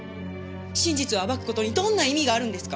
真実を暴く事にどんな意味があるんですか？